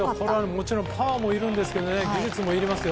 もちろんパワーもいるんですけど技術もいりますよ。